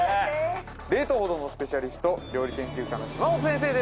冷凍保存のスペシャリスト料理研究家の島本先生です